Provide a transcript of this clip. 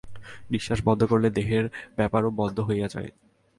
নিঃশ্বাস বন্ধ করিলে দেহের ব্যাপারও বন্ধ হইয়া যায়।